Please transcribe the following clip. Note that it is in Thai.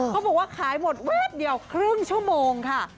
เขาบอกว่าขายหมดแวบเดียวครึ่งชั่วโมงค่ะ